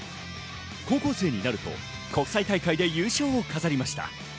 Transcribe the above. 高校生になると国際大会で優勝を飾りました。